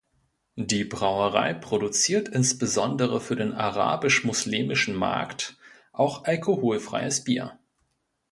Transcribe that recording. Die Brauerei produziert insbesondere für den arabisch-moslemischen Markt auch alkoholfreies Bier.